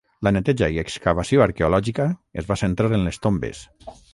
La neteja i excavació arqueològica es va centrar en les tombes.